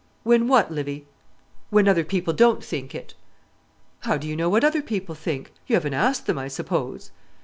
"When what, Livy?" "When other people don't think it." "How do you know what other people think? You haven't asked them, I suppose?"